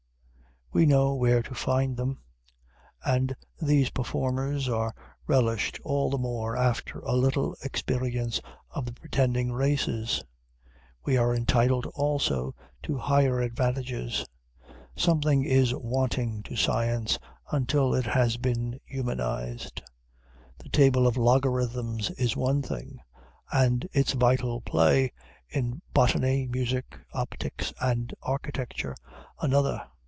We know where to find them; and these performers are relished all the more after a little experience of the pretending races. We are entitled, also, to higher advantages. Something is wanting to science, until it has been humanized. The table of logarithms is one thing, and its vital play, in botany, music, optics, and architecture, another.